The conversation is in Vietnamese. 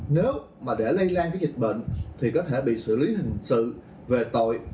nếu mà để lây lan cái dịch bệnh thì có thể bị xử lý hình sự về tội